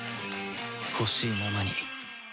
ほしいままに